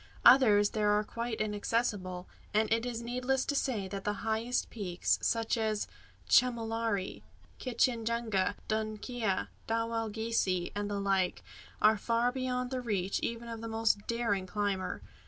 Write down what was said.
Others there are quite inaccessible; and it is needless to say, that the highest peaks such as Chumulari, Kinchinjunga, Donkia, Dawalghisi, and the like are far beyond the reach of even the most daring climber.